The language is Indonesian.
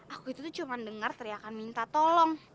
aku itu tuh cuma dengar teriakan minta tolong